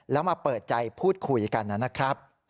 แล้วมาเปิดใจพูดคุยกันนะครับ